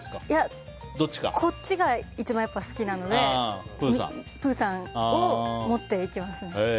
いや、こっちが一番好きなのでプーさんを持っていきますね。